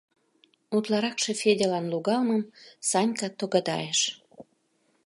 Утларакше Федялан логалмым Санька тогдайыш.